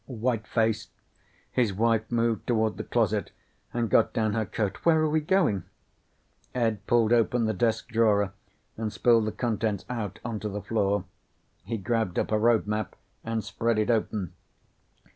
White faced, his wife moved toward the closet and got down her coat. "Where are we going?" Ed pulled open the desk drawer and spilled the contents out onto the floor. He grabbed up a road map and spread it open.